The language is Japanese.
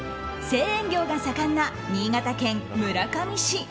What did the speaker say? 製塩業が盛んな新潟県村上市。